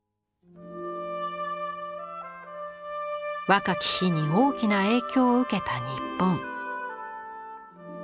若き日に大きな影響を受けた日本。